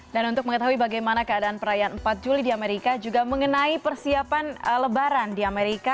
dan untuk mengetahui bagaimana keadaan perayaan empat juli di amerika juga mengenai persiapan lebaran di amerika